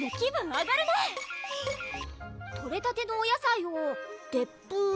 アガるねとれたてのお野菜をでっぷ？